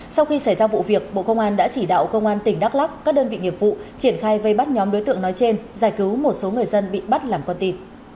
sau khi xảy ra vụ việc bộ công an đã chỉ đạo công an tỉnh đắk lắc các đơn vị nghiệp vụ triển khai vây bắt nhóm đối tượng nói trên giải cứu một số người dân bị bắt làm con tị